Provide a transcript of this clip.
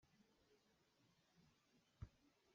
An kan cawimawi ning a ṭha tuk i an hmai khah a si lo.